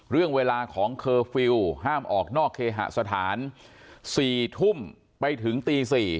เรื่องเวลาของเคอร์ฟิลล์ห้ามออกนอกเคหสถาน๔ทุ่มไปถึงตี๔